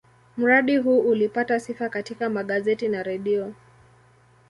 Mradi huu ulipata sifa katika magazeti na redio.